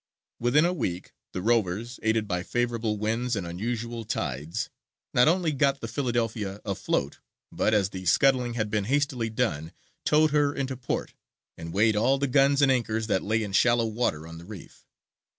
Within a week the rovers, aided by favourable winds and unusual tides, not only got the Philadelphia afloat, but, as the scuttling had been hastily done, towed her into port, and weighed all the guns and anchors that lay in shallow water on the reef.